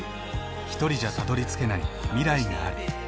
ひとりじゃたどりつけない未来がある。